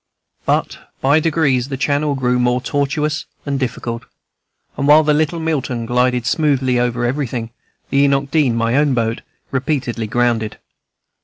But by degrees the channel grew more tortuous and difficult, and while the little Milton glided smoothly over everything, the Enoch Dean, my own boat, repeatedly grounded.